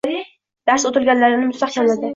Darsda o'tilganlarni mustahkamladi